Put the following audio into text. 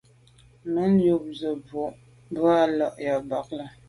Mèn yub ze bo bwe i là b’a yà.